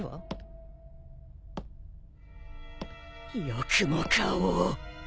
よくも顔を。